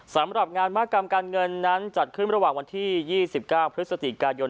สำหรับงานมหากรรมการเงินนั้นจัดขึ้นระหว่างวันที่๒๙พฤศจิกายน